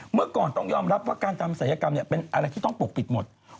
เมื่อก่อนต้องยอมรับว่าการทำศัยกรรมเป็นอะไรที่ต้องปกปิดหมด